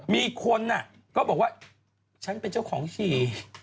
มีคนก็บอกว่าฉันเป็นเจ้าของฉี่